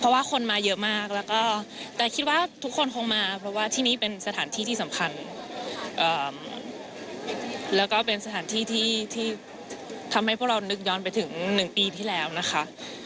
ว่าเรานึกย้อนไปถึง๑ปีที่แล้วนะคะ